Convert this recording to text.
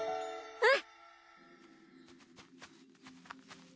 うん！